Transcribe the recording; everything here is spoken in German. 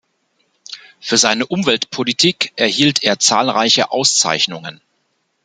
Für seine Umweltpolitik erhielt er zahlreiche Auszeichnungen.